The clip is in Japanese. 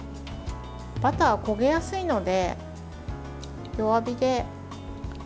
バターは焦げやすいので弱火で、じっくり。